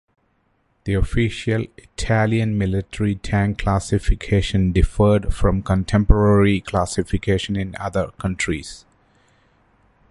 The official Italian military tank classification differed from contemporary classifications in other countries.